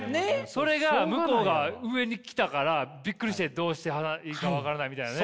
それが向こうが上に来たからびっくりしてどうしたらいいか分からないみたいなね。